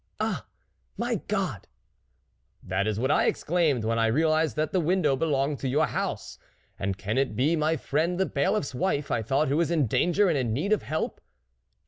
" Ah ! my God !"" That is what I exclaimed, when I realised that the window belonged to your house ; and can it be my friend the Bailiff's wife, I thought, who is in danger and in need of help